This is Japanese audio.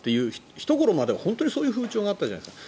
ひところまではそういう風潮があったじゃないですか。